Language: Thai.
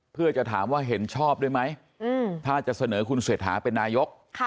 เพื่อจะถามว่าเห็นชอบด้วยไหมถ้าจะเสนอคุณเศรษฐาเป็นนายก